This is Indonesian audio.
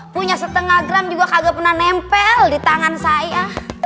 punya setengah gram juga kagak pernah nempel di tangan saya